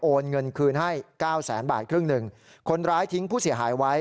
เงินคืนให้เก้าแสนบาทครึ่งหนึ่งคนร้ายทิ้งผู้เสียหายไว้